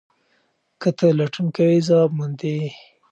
که ته لټون کوې ځواب موندې.